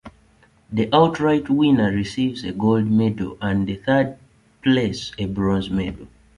The outright winner receives a gold medal and the third place a bronze medal.